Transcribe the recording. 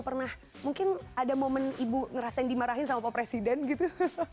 pernah mungkin ada momen ibu ngerasain dimarahin sama pak presiden gitu